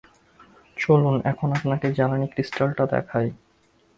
চলুন, এখন আপনাকে জ্বালানী ক্রিস্টালটা দেখাই।